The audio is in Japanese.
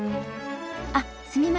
あっすみません。